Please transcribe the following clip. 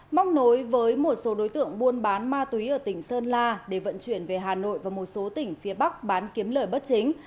móc nối với một số đối tượng buôn bán ma túy ở tỉnh sơn la để vận chuyển về hà nội và một số tỉnh phía bắc bán kiếm lời bất chính